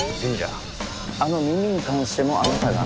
あの耳に関してもあなたが？